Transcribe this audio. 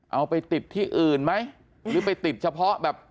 เอาไปติดที่อื่นไหมหรือไปติดเฉพาะแบบ